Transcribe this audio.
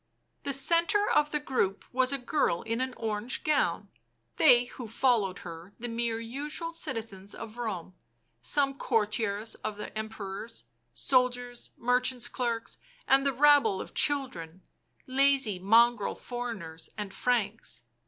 The centre of the group was a girl in an orange gown, they who followed her the mere usual citizens of Rome, some courtiers of the Emperor's, soldiers, merchants' clerks, and the rabble of children, lazy mongrel foreigners and Franks.